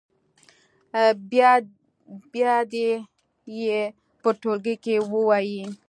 بیا دې یې په ټولګي کې ووایي.